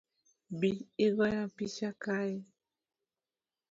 Bi igoya picha kae